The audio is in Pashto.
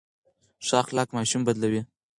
ښه اخلاق ماشوم بدلوي.